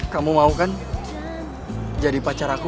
kamu mau kan jadi pacar aku